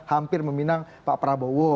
hampir meminang pak prabowo